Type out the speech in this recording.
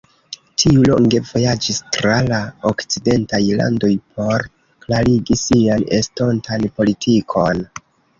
Tiu longe vojaĝis tra la okcidentaj landoj por klarigi sian estontan politikon.